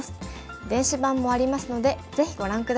電子版もありますのでぜひご覧下さい。